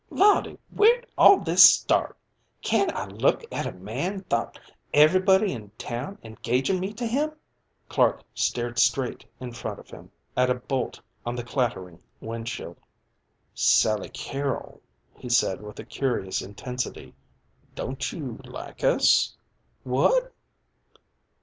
"Lawdy, where'd all this start? Can't I look at a man 'thout everybody in town engagin' me to him?" Clark stared straight in front of him at a bolt on the clattering wind shield. "Sally Carrol," he said with a curious intensity, "don't you 'like us?" "What?"